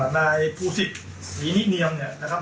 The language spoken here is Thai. นายผู้สิทธิ์สีนิเงียมเนี่ยนะครับ